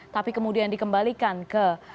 tapi kemudian dikembalikan ke